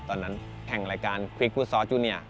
ตอนนั้นแข่งรายการควิกฟุตซอลจูนิอร์